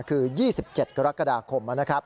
คือ๒๗กรกฎาคม